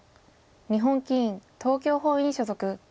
日本棋院東京本院所属。